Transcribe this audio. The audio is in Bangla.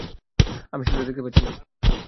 আমি সেটা দেখতে পাচ্ছি না।